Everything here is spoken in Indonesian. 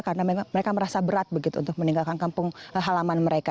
karena mereka merasa berat begitu untuk meninggalkan kampung halaman mereka